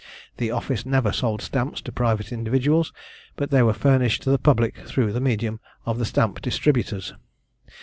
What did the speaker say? The office never sold stamps to private individuals, but they were furnished to the public through the medium of the stamp distributors.